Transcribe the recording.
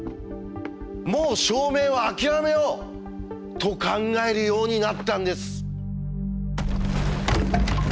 もう証明は諦めよう」と考えるようになったんです。